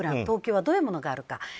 東京はどういうものがあるか。